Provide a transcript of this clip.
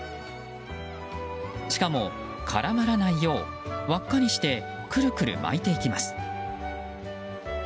しかも、絡まらないよう輪っかにしてくるくる巻いていきます。